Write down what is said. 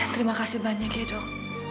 terima kasih banyak ya dok